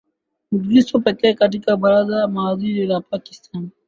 mkristo pekee katika baraza la mawaziri la pakistan